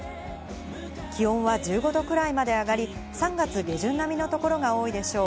気温は１５度くらいまで上がり、３月下旬並みの所が多いでしょう。